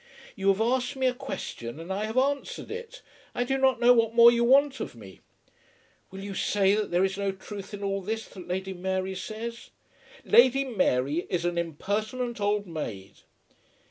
"You have asked me a question and I have answered it. I do not know what more you want of me." "Will you say that there is no truth in all this that Lady Mary says?" "Lady Mary is an impertinent old maid."